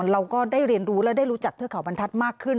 เราก็ได้เรียนรู้และได้รู้จักเทือกเขาบรรทัศน์มากขึ้น